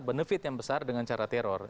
benefit yang besar dengan cara teror